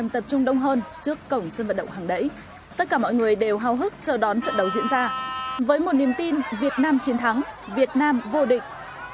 tất cả mọi người đều hào hức chờ đón trận đấu diễn ra với một niềm tin việt nam chiến thắng việt nam vô địch